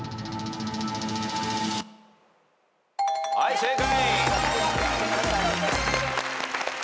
はい正解。